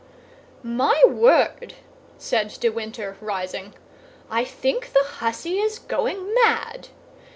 "My word," said de Winter, rising, "I think the hussy is going mad!